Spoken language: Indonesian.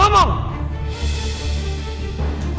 ngapain sih masih ada disini